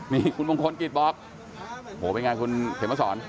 นี่คุณมงคลกิจบอกโหเป็นไงคุณเขมสอน